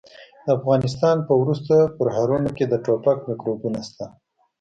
د افغانستان په ورستو پرهرونو کې د ټوپک میکروبونه شته.